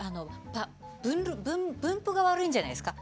分布が悪いんじゃないですか？